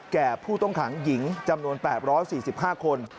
แก่ผู้ต้องขังหญิงจำนวน๘๔๕คน